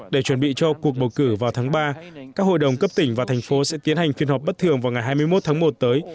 để chuẩn bị cho cuộc bầu cử vào tháng ba các hội đồng cấp tỉnh và thành phố sẽ tiến hành phiên họp bất thường vào ngày hai mươi một tháng một tới